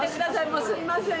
もうすみません。